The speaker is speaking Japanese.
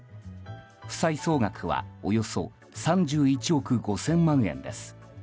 負債総額はおよそ３１億５０００万円です。